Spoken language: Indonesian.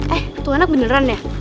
eh tuh anak beneran